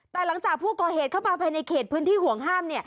แต่หลังจากผู้ก่อเหตุเข้ามาภายในเขตพื้นที่ห่วงห้าม